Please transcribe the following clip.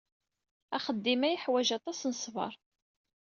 Axeddim-a yeḥwaj aṭas n ṣṣber.